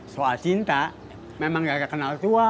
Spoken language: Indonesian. soal cinta memang gak kekenal tua